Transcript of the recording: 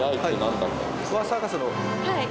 はい。